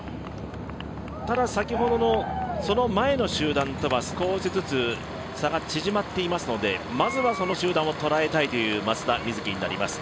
ただ、先ほどのその前の集団とは少しずつ差が縮まっていますのでまずはその集団を捉えたいという松田瑞生になります。